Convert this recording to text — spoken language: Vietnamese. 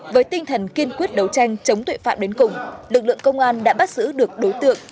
với tinh thần kiên quyết đấu tranh chống tội phạm đến cùng lực lượng công an đã bắt giữ được đối tượng